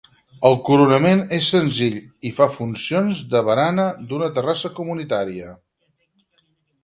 El coronament és senzill i fa funcions de barana d'una terrassa comunitària.